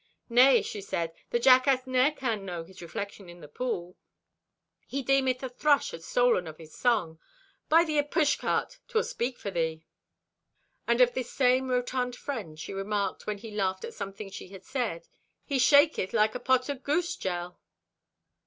"Nay," she said, "the jackass ne'er can know his reflection in the pool. He deemeth the thrush hath stolen of his song. Buy thee a pushcart. 'Twill speak for thee." And of this same rotund friend she remarked, when he laughed at something she had said: "He shaketh like a pot o' goose jell!"